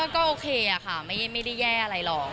ก็โอเคค่ะไม่ได้แย่อะไรหรอก